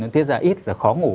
nó tiết ra ít là khó ngủ